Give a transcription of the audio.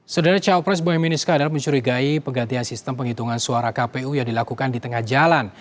saudara cawapres bohmin iskandar mencurigai penggantian sistem penghitungan suara kpu yang dilakukan di tengah jalan